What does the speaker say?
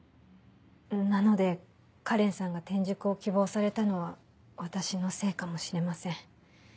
なので花恋さんが転塾を希望されたのは私のせいかもしれません。